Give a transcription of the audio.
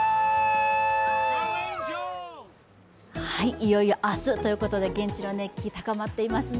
いよいよ明日ということで現地の熱気高まっていますね。